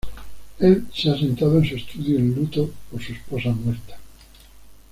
Él se ha sentado en su estudio, en luto por su esposa muerta.